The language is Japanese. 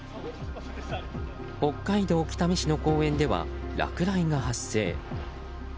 北海道北見市の公園では落雷が発生。